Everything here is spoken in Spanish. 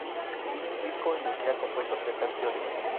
Disco en el que ha compuesto tres canciones.